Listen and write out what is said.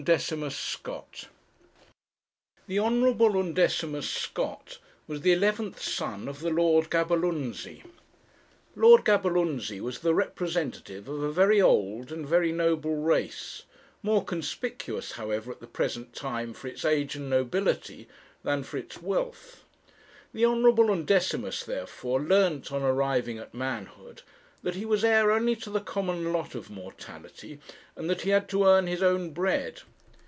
UNDECIMUS SCOTT The Hon. Undecimus Scott was the eleventh son of the Lord Gaberlunzie. Lord Gaberlunzie was the representative of a very old and very noble race, more conspicuous, however, at the present time for its age and nobility than for its wealth. The Hon. Undecimus, therefore, learnt, on arriving at manhood, that he was heir only to the common lot of mortality, and that he had to earn his own bread.